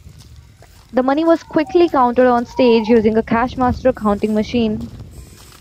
The money was quickly counted on stage using a Cashmaster counting machine.